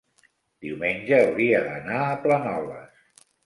diumenge hauria d'anar a Planoles.